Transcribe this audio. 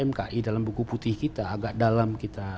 mki dalam buku putih kita agak dalam kita